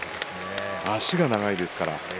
足が長いですから。